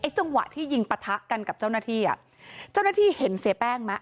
จังหวะที่ยิงปะทะกันกับเจ้าหน้าที่อ่ะเจ้าหน้าที่เห็นเสียแป้งไหม